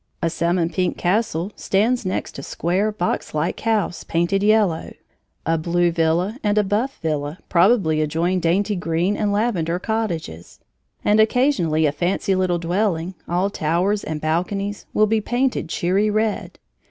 A salmon pink castle stands next a square, box like house, painted yellow; a blue villa and a buff villa probably adjoin dainty green and lavender cottages, and occasionally a fancy little dwelling, all towers and balconies, will be painted cherry red.